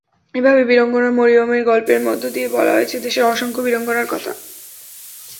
এভাবেই বীরাঙ্গনা মরিয়মের গল্পের মধ্য দিয়ে বলা হয়েছে দেশের অসংখ্য বীরাঙ্গনার কথা।